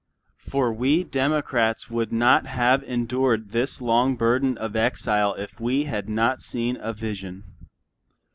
For we Democrats would not have endured this long burden of exile if we had not seen a vision.